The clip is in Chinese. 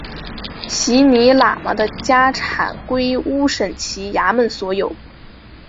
席尼喇嘛的家产归乌审旗衙门所有。